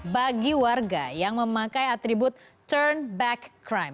bagi warga yang memakai atribut turn back crime